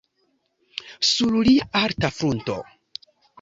Sur lia alta frunto.